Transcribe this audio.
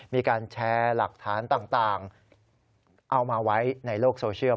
มีการแชร์หลักฐานต่างเอามาไว้ในโลกโซเชียล